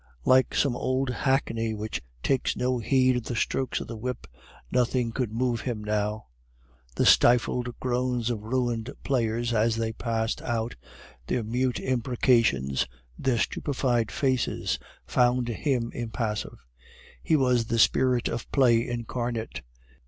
Like some old hackney which takes no heed of the strokes of the whip, nothing could move him now. The stifled groans of ruined players, as they passed out, their mute imprecations, their stupefied faces, found him impassive. He was the spirit of Play incarnate.